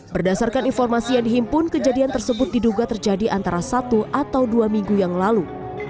berdasarkan informasi yang dihimpun kejadian tersebut diduga terjadi antara satu atau dua minggu yang lalu